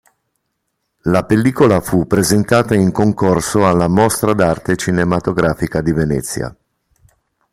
La pellicola fu presentata in concorso alla Mostra d'Arte Cinematografica di Venezia.